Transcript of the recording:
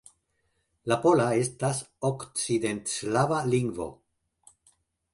La pola estas okcidentslava lingvo.